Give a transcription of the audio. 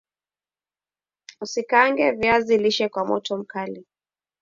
Usikaange viazi lishe kwa moto mkali